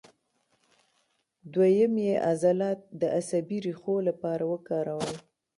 دوهیم یې عضلات د عصبي ریښو لپاره وکارول.